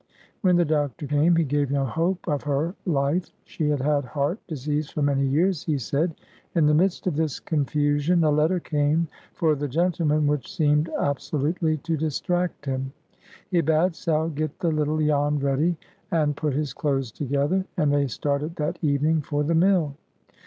When the doctor came, he gave no hope of her life. She had had heart disease for many years, he said. In the midst of this confusion, a letter came for the gentleman, which seemed absolutely to distract him. He bade Sal get the little Jan ready, and put his clothes together, and they started that evening for the mill.